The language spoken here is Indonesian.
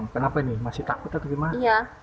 terus terus terus itu ya ada